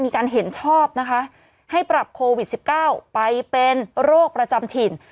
เห็นชอบนะคะให้ปรับโควิด๑๙ไปเป็นโรคประจำถิ่น